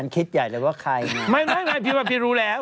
คิดใหญ่เลยว่าใครน่ะ